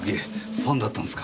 ファンだったんすか？